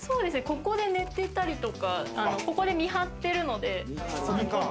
ここで寝てたりとか、ここで見張ってるので。